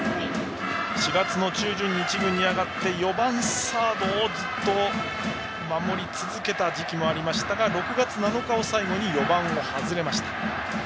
４月中旬に１軍に上がって４番サードをずっと守り続けた時期もありましたが６月７日を最後に４番を外れました。